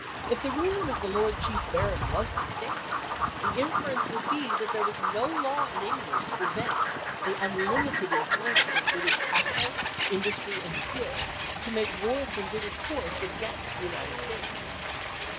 K the ruling of the Lord Chief Baron was to stand, the inference would be that there was no law in Eng land to prevent the unlimited employment of Brit ish capital, industry, and skill to make war from British ports against the United States."